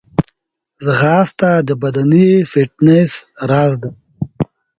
ځغاسته د بدني فټنس راز دی